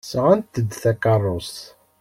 Sɣant-d takeṛṛust.